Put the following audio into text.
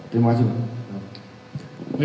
terima kasih mbak